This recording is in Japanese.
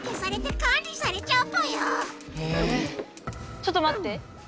ちょっとまって！